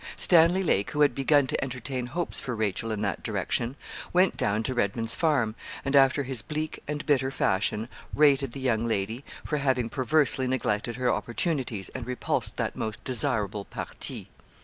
Stanley Lake, who had begun to entertain hopes for Rachel in that direction, went down to Redman's Farm, and, after his bleak and bitter fashion, rated the young lady for having perversely neglected her opportunities and repulsed that most desirable parti.